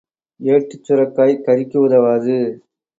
ஏட்டுச் சுரைக்காய் கறிக்கு உதவாது.